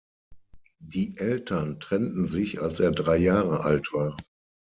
Die Eltern trennten sich als er drei Jahre alt war.